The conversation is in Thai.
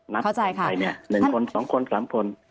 นัพในไปนี่๑คน๒คน๓คน